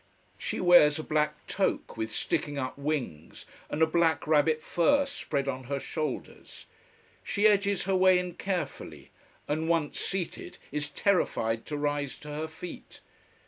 She wears a black toque with sticking up wings, and a black rabbit fur spread on her shoulders. She edges her way in carefully: and once seated, is terrified to rise to her feet.